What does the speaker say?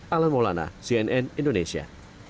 alan wolana cnn indonesia